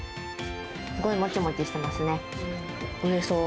すごいもちもちしてますね。